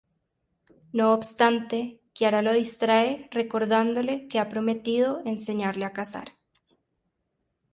No obstante, Kiara lo distrae recordándole que ha prometido enseñarle a cazar.